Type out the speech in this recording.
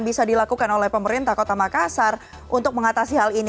bisa dilakukan oleh pemerintah kota makassar untuk mengatasi hal ini